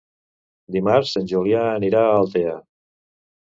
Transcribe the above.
Dimarts en Julià anirà a Altea.